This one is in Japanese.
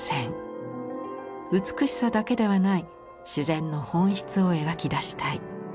美しさだけではない自然の本質を描き出したい。